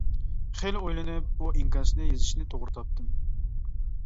خېلى ئويلىنىپ بۇ ئىنكاسنى يېزىشنى توغرا تاپتىم.